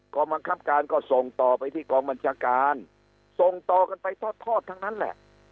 กรรมบังคับการก็ส่งต่อไปที่กองบัญชาการส่งต่อกันไปทอดทั้งนั้นแหละ